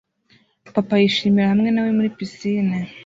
Papa yishimira hamwe na we muri pisine